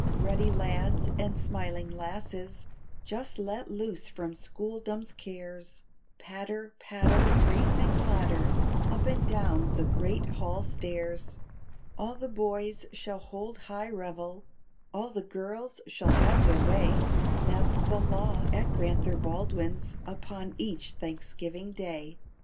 Ruddy lads and smiling lasses, just let loose from schooldom's cares, Patter, patter, race and clatter, up and down the great hall stairs. All the boys shall hold high revel; all the girls shall have their way, That's the law at Grand'ther Baldwin's upon each Thanksgiving Day.